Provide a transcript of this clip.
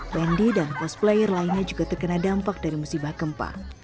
wendy dan cosplayer lainnya juga terkena dampak dari musibah gempa